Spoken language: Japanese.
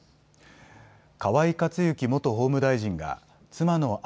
河井克行元法務大臣が妻の案